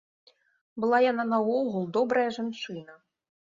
Была яна, наогул, добрая жанчына.